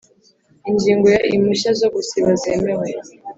Ingingo ya impushya zo gusiba zemewe